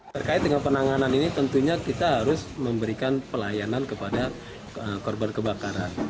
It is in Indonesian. terkait dengan penanganan ini tentunya kita harus memberikan pelayanan kepada korban kebakaran